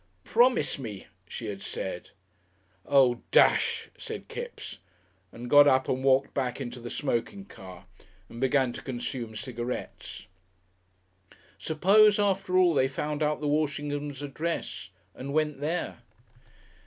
"Promise me," she had said. "Oh, desh!" said Kipps, and got up and walked back into the smoking car and began to consume cigarettes. Suppose, after all, they found out the Walshingham's address and went there!